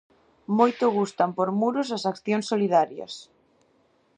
Moito gustan por Muros as accións solidarias!